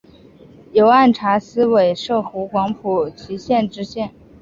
由按察司委摄湖广蒲圻县知县。